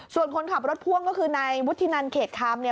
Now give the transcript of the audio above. ส่วนคนขับรถพ่วงก็คือในวุฒินันเขตคำ